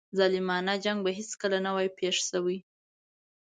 ظالمانه جنګ به هیڅکله نه وای پېښ شوی.